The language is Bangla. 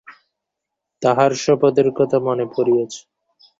তাঁহার শপথের কথা মন পড়িয়াছে।